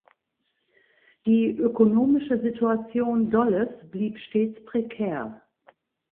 Die ökonomische Situation Dolles blieb stets prekär.